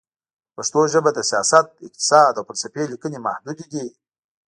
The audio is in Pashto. په پښتو ژبه د سیاست، اقتصاد، او فلسفې لیکنې محدودې دي.